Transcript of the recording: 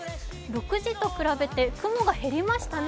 ６時と比べて雲が減りましたね。